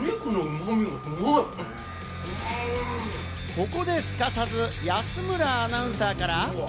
ここで、すかさず安村アナウンサーから。